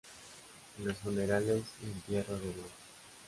Los funerales y entierro de Mons.